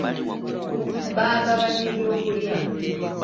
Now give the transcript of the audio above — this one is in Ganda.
Baagaba n'ebyokulya.